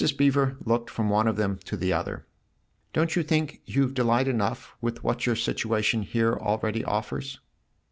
Beever looked from one of them to the other. " Don't you think you've delight enough with what your situation here already offers